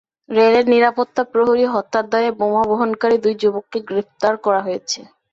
রেলের নিরাপত্তা প্রহরী হত্যার দায়ে বোমা বহনকারী দুই যুবককে গ্রেপ্তার করা হয়েছে।